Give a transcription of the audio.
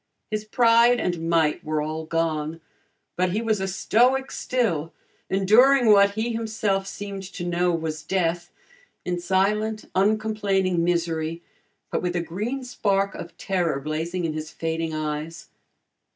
His pride and might were all gone, but he was a stoic still, enduring what he himself seemed to know was death, in silent, uncomplaining misery but with a green spark of terror blazing in his fading eyes.